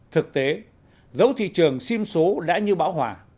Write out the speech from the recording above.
thực tế giấu thị trường sim số đã như bão hòa